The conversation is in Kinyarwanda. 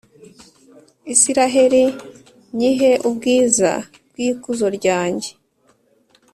israheli nyihe ubwiza bw’ikuzo ryanjye.